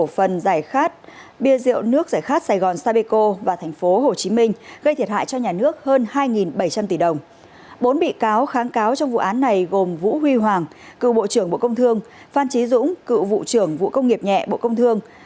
phan trí dũng cựu vụ trưởng vụ công nghiệp nhẹ bộ công thương